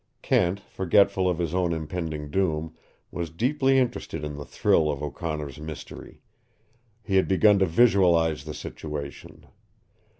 Kent, forgetful of his own impending doom, was deeply interested in the thrill of O'Connor's mystery. He had begun to visualize the situation.